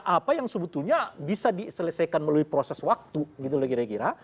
apa yang sebetulnya bisa diselesaikan melalui proses waktu gitu loh kira kira